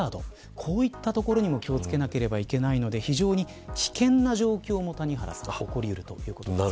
こういったところにも気を付けなければいけないので非常に危険な状況も起こりうるということなんです。